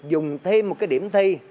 dùng thêm một cái điểm thi